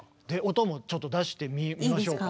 音もちょっと出してみましょうか？